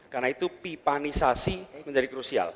karena itu pipanisasi menjadi krusial